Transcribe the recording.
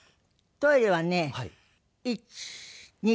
トイレはね１２３個。